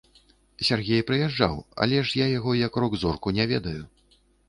Сяргей прыязджаў, але ж я яго як рок-зорку не ведаю.